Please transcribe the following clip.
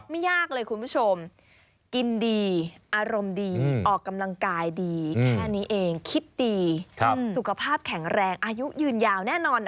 ไม่ยากเลยคุณผู้ชมกินดีอารมณ์ดีออกกำลังกายดีแค่นี้เองคิดดีสุขภาพแข็งแรงอายุยืนยาวแน่นอน